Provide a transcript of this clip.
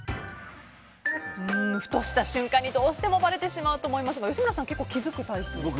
ふとした瞬間にどうしてもばれてしまうと思いますが吉村さん結構気づくタイプですか。